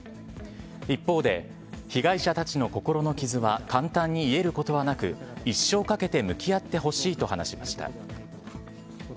一方で、被害者たちの心の傷は簡単に癒えることはなく一生かけて向き合ってほしいと話しました。